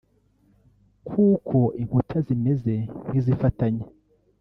kuko inkuta zimeze nk’izifatanye